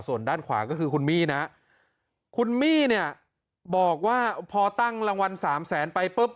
ส่วนด้านขวาก็คือคุณมี่นะคุณมี่เนี่ยบอกว่าพอตั้งรางวัลสามแสนไปปุ๊บ